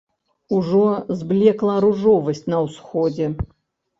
Ужо зблекла ружовасць на ўсходзе.